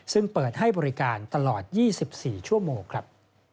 ซึ่งเปิดให้บริการตลอด๒๔ชั่วโมงครับ